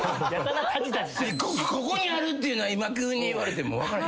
ここにあるっていうのは急に言われても分からへんかも。